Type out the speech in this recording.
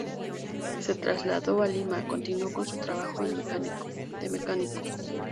Se trasladó a Lima, continuó con su trabajo de mecánico.